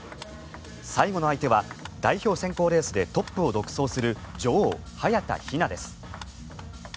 最後の相手は代表選考レースでトップを独走する女王・早田ひなです。